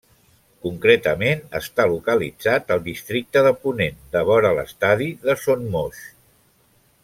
Concretament està localitzat al Districte de Ponent devora l'estadi de Son Moix.